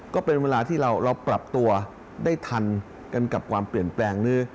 ก็เป็นเวลาที่เราปรับตัวได้ทันกันกับความเปลี่ยนแปลงนี้